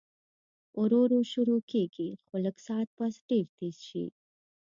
ورو ورو شورو کيږي خو لږ ساعت پس ډېر تېز شي